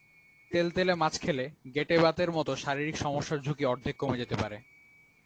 তেলতেলে মাছ খেলে গেঁটেবাতের মতো শারীরিক সমস্যার ঝুঁকি অর্ধেক কমে যেতে পারে।